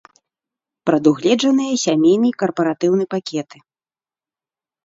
Прадугледжаныя сямейны і карпаратыўны пакеты.